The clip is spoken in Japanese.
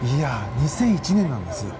２００１年なんです。